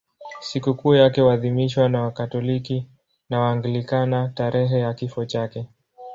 Sikukuu yake huadhimishwa na Wakatoliki na Waanglikana tarehe ya kifo chake.